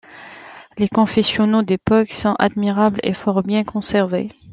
Les confessionnaux d’époque sont admirables et fort bien conservés.